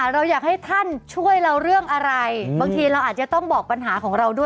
เราอยากให้ท่านช่วยเราเรื่องอะไรบางทีเราอาจจะต้องบอกปัญหาของเราด้วย